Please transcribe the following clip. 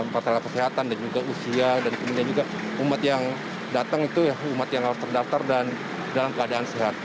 masalah kesehatan dan juga usia dan kemudian juga umat yang datang itu umat yang harus terdaftar dan dalam keadaan sehat